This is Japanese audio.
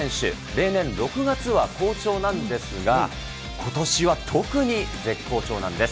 例年、６月は好調なんですが、ことしは特に絶好調なんです。